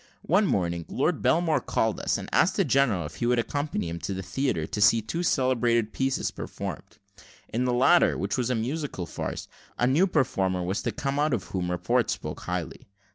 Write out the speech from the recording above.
One morning, Lord Belmore called upon us, and asked the general if we would accompany him to the theatre, to see two celebrated pieces performed. In the latter, which was a musical farce, a new performer was to come out of whom report spoke highly.